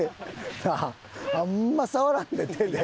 あんま触らんで手で。